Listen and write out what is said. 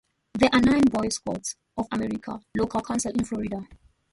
There are nine Boy Scouts of America local councils in Florida.